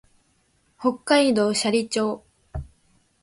北海道斜里町